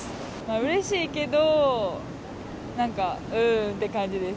うれしいけど、なんか、うーんって感じです。